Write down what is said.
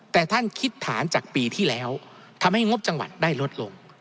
แต่ท่านคิดฐานจากปีที่แล้วทำให้งบจังหวัดได้ลดลง